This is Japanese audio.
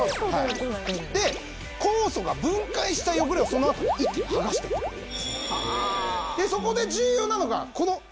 で酵素が分解した汚れをそのあと一気に剥がしてってくれるんですね